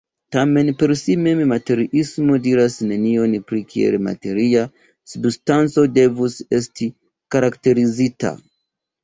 Tamen, per si mem materiismo diras nenion pri kiel materia substanco devus esti karakterizita.